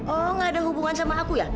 oh gak ada hubungan sama aku ya